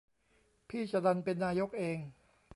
พี่จะดันเป็นนายกเอง